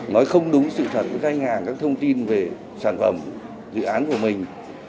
nói không đúng sự thật với khách hàng các thông tin về sản phẩm dự án của mình